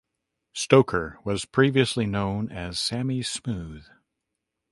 Stoker was previously known as Sammy Smooth.